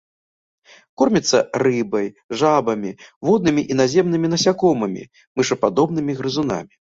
Корміцца рыбай, жабамі, воднымі і наземнымі насякомымі, мышападобнымі грызунамі.